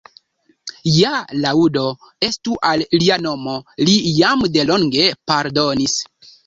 Ja, laŭdo estu al Lia Nomo, Li jam de longe pardonis.